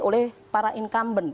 oleh para incumbent